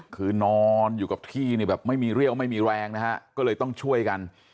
คือนอนอยู่กับที่เนี่ยแบบไม่มีเรี่ยวไม่มีแรงนะฮะก็เลยต้องช่วยกัน